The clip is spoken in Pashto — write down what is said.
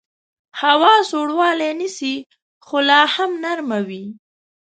هوا سوړوالی نیسي خو لاهم نرمه وي